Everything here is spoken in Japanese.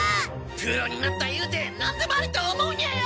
プロになったゆうて何でもありと思うニャよ！